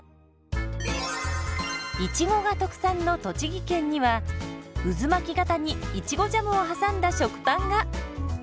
いちごが特産の栃木県には渦巻き型にいちごジャムを挟んだ食パンが！